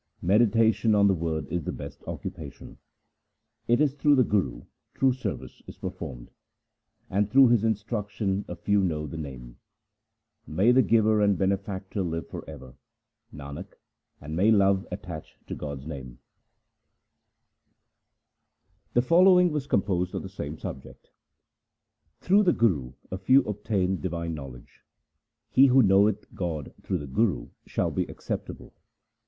Meditation on the Word is the best occupation. It is through the Guru true service is performed, And through his instruction a few know the Name. May the giver and benefactor 1 live for ever, Nanak, and may love attach to God's name ! 1 The Guru. HYMNS OF GURU AMAR DAS 183 The following was composed on the same subject :— Through the Guru a few obtain divine knowledge : He who knoweth God through the Guru shall be acceptable.